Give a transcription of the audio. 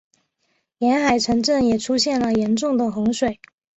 沿海城镇也出现了严重的洪水。